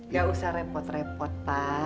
gak usah repot repot lah